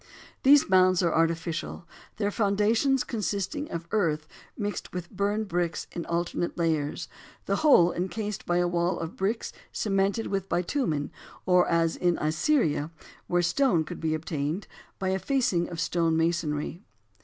These mounds are artificial, their foundations consisting of earth mixed with burned bricks in alternate layers, the whole encased by a wall of bricks cemented with bitumen, or as in Assyria, where stone could be obtained, by a facing of stone masonry.